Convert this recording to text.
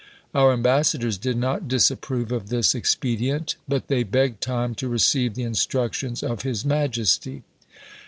Our ambassadors did not disapprove of this expedient, but they begged time to receive the instructions of his majesty.